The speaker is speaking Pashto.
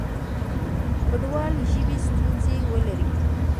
کډوال ژبې ستونزې ولري.